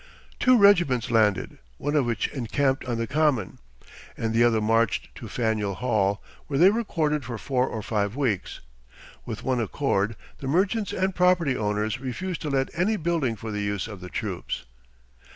Two regiments landed; one of which encamped on the Common, and the other marched to Faneuil Hall, where they were quartered for four or five weeks. With one accord the merchants and property owners refused to let any building for the use of the troops.